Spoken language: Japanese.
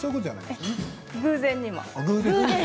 偶然にも。